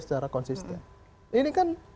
secara konsisten ini kan